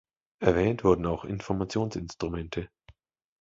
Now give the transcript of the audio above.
Erwähnt wurden auch Informationsinstrumente.